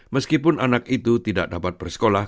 meskipun anak itu tidak dapat bersekolah